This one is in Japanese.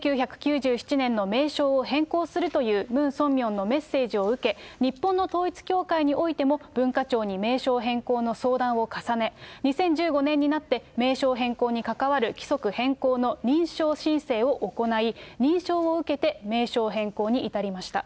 １９９７年の名称を変更するというムン・ソンミョンのメッセージを受け、日本の統一教会においても文化庁に名称変更の相談を重ね、２０１５年になって名称変更にかかわる規則変更の認証申請を行い、認証を受けて名称変更に至りました。